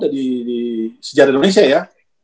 di sejarah indonesia ya